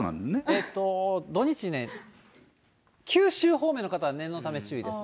えっと、土日ね、九州方面の方は念のため注意です。